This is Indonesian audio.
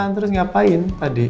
terus ngapain tadi